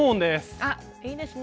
あっいいですね。